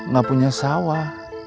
gak punya sawah